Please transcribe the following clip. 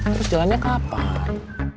terus jalannya kapan